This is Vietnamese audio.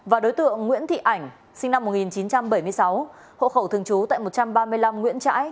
và đối tượng nguyễn thị ảnh sinh năm một nghìn chín trăm bảy mươi sáu hộ khẩu thường trú tại một trăm ba mươi năm nguyễn trãi